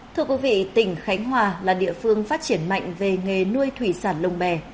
thưa quý vị tỉnh khánh hòa là địa phương phát triển mạnh về nghề nuôi thủy sản lồng bè